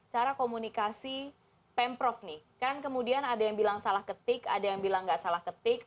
cara komunikasi pemprov nih kan kemudian ada yang bilang salah ketik ada yang bilang nggak salah ketik